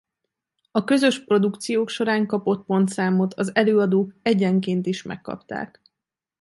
A közös produkciók során kapott pontszámot az előadók egyenként is megkapták.